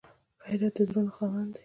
غیرت د زړونو خاوند دی